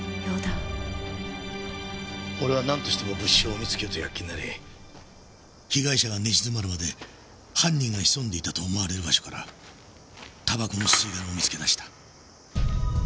俺はなんとしても物証を見つけようと躍起になり被害者が寝静まるまで犯人が潜んでいたと思われる場所からたばこの吸い殻を見つけ出した。